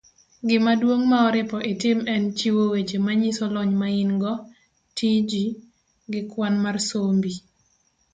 Gimaduong ' maoripo itim en chiwo weche manyiso lony maingo, tiji, gi kwan mar sombi.